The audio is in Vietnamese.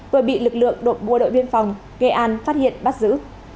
vừa bị lực lượng bộ đội biên phòng nghệ an phát hiện bắt giữ